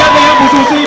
jangan ke unik